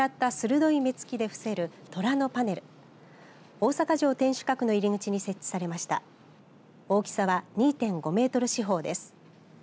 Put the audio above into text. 大きさは２．５メートル四方です。